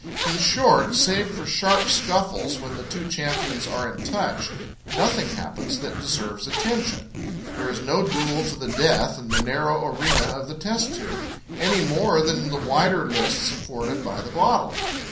In short, save for sharp scuffles when the two champions are in touch, nothing happens that deserves attention. There is no duel to the death in the narrow arena of the test tube, any more than in the wider lists afforded by the bottle.